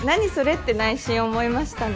って内心思いましたね。